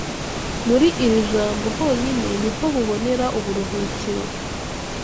muri iri jambo honyine ni ho bubonera uburuhukiro